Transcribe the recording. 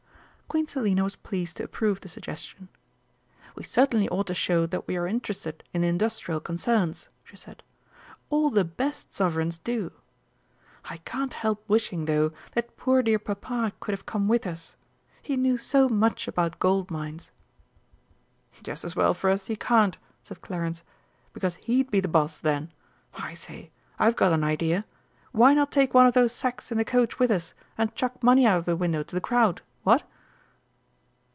Queen Selina was pleased to approve the suggestion. "We certainly ought to show that we are interested in industrial concerns," she said. "All the best Sovereigns do. I can't help wishing, though, that poor dear Papa could have come with us. He knew so much about gold mines." "Just as well for us he can't," said Clarence, "because he'd be the Boss, then! I say, I've got an idea. Why not take one of those sacks in the coach with us and chuck money out of the window to the crowd, what?"